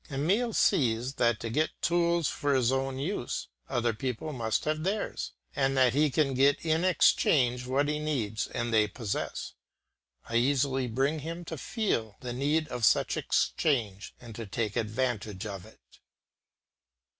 Emile sees that to get tools for his own use, other people must have theirs, and that he can get in exchange what he needs and they possess. I easily bring him to feel the need of such exchange and to take advantage of it.